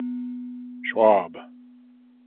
Schwab.